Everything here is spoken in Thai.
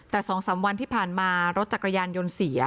แต่๒๓วันที่ผ่านมารถจักรยานยนต์เสีย